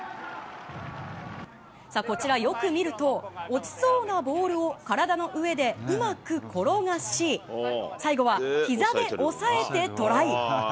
こちら、よく見ると、落ちそうなボールを体の上でうまく転がし、最後はひざで押さえてトライ。